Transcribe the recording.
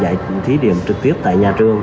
và giải thí điểm trực tiếp tại nhà trường